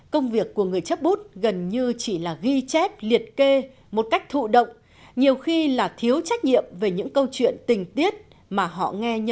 công việc của người chấp bút gần như chỉ là ghi chép liệt kê một cách thụ động nhiều khi là thiếu trách nhiệm về những câu chuyện tình tiết mà họ nghe nhân vật kể lại